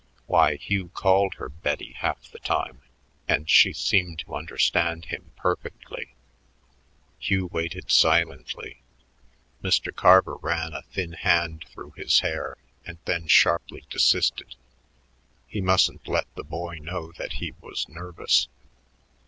Why, Hugh called her Betty half the time, and she seemed to understand him perfectly. Hugh waited silently. Mr. Carver ran a thin hand through his hair and then sharply desisted; he mustn't let the boy know that he was nervous.